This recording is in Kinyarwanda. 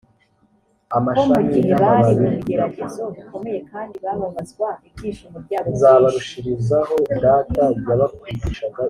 ko mu gihe bari mu bigeragezo bikomeye kandi bababazwa ibyishimo byabo byinshi